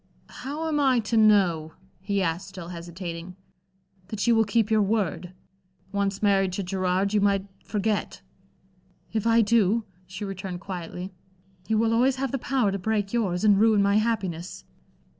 "How am I to know," he asked, still hesitating "that you will keep your word? Once married to Gerard, you might forget." "If I do," she returned quietly, "you will always have the power to break yours and ruin my happiness."